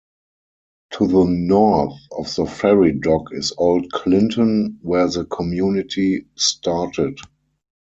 To the north of the ferry dock is old Clinton, where the community started.